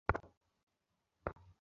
রবিন-ই ভেঙে ফেলতো।